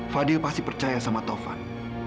fadil pasti percaya sama tovan